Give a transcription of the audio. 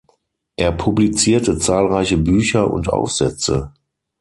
Er publizierte zahlreiche Bücher und Aufsätze.